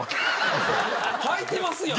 はいてますやん！